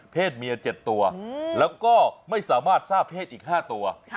เมีย๗ตัวแล้วก็ไม่สามารถทราบเพศอีก๕ตัว